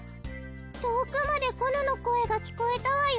遠くまでコヌの声が聞こえたわよ。